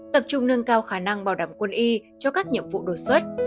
tập trung nâng cao khả năng bảo đảm quân y cho các nhiệm vụ đột xuất